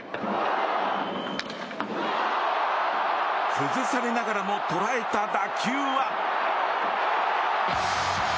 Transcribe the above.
崩されながらも捉えた打球は。